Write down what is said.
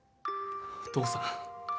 お父さん。